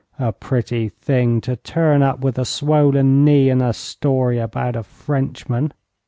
A pretty thing to turn up with a swollen knee and a story about a Frenchman!'